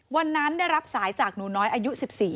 วันนั้นได้รับสายจากหนูน้อยอายุ๑๔